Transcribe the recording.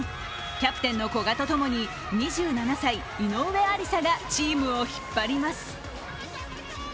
キャプテンの古賀とともに２７歳井上愛里沙がチームを引っ張ります。